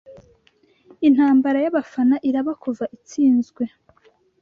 Intambara yabafana iraba kuva itsinzwe